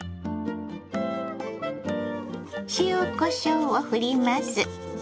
塩こしょうをふります。